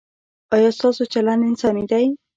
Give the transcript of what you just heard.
ایا ستاسو چلند انساني دی؟